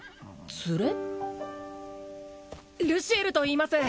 ルシエルといいます